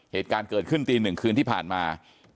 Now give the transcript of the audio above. เหตุการณ์เกิดขึ้นตีหนึ่งคืนที่ผ่านมา